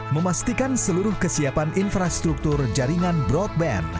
memastikan seluruh kesiapan infrastruktur jaringan broadband